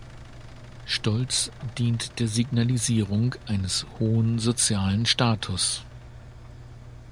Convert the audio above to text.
Stolz dient der Signalisierung eines hohen sozialen Status.